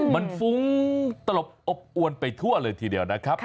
มันฟุ้งตลบอบอวนไปทั่วเลยทีเดียวนะครับ